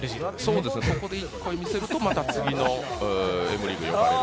そうです、そこで１個見せるとまた次のＭリーグに呼ばれる。